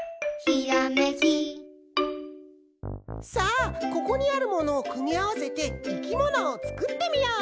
さあここにあるものをくみあわせていきものをつくってみよう！